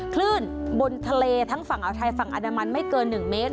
คลื่นบนทะเลทั้งฝั่งอ่าวไทยฝั่งอันดามันไม่เกิน๑เมตร